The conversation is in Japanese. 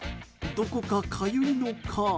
どこか、かゆいのか？